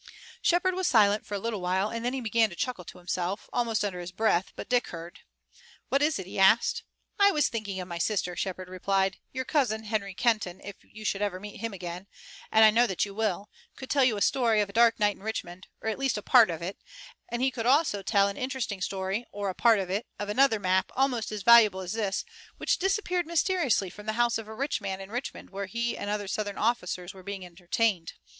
Shepard was silent for a little while and then he began to chuckle to himself, almost under his breath, but Dick heard. "What is it?" he asked. "I was thinking of my sister," Shepard replied. "Your cousin, Harry Kenton, if you should ever meet him again and I know that you will could tell you a story of a dark night in Richmond, or at least a part of it, and he could also tell an interesting story, or a part of it, of another map, almost as valuable as this, which disappeared mysteriously from the house of a rich man in Richmond where he and other Southern officers were being entertained.